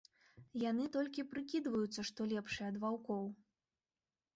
Яны толькі прыкідваюцца, што лепшыя ад ваўкоў.